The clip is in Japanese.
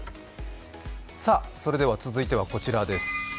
それでは続いてはこちらです。